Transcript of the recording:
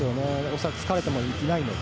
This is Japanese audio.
恐らく疲れてもいないので。